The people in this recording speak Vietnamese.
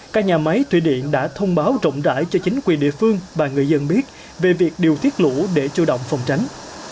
các nhà máy thủy điện đã thông báo rộng rãi cho chính quyền địa phương và người dân biết về việc điều tiết lũ để chủ động phòng tránh